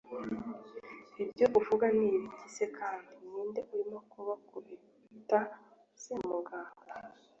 ibyo uvuga nibiki se kandi! ninde urimo kubakubita se! muganga